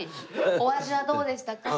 お味はどうでしたか？